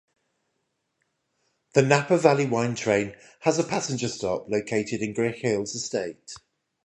The Napa Valley Wine Train has a passenger stop located at Grgich Hills Estate.